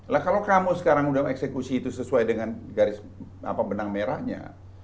lah kalau kamu sekarang udah eksekusi itu sesuai dengan garis benang merahnya